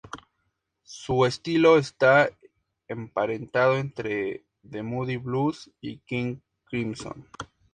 Su estilo está emparentado entre The Moody Blues y King Crimson.